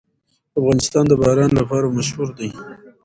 افغانستان د باران لپاره مشهور دی.